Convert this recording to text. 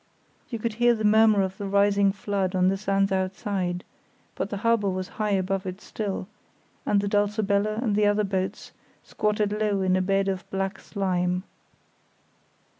You could hear the murmur of the rising flood on the sands outside, but the harbour was high above it still, and the Dulcibella and the other boats squatted low in a bed of black slime.